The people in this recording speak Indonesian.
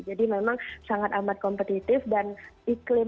jadi memang sangat amat kompetitif dan iklim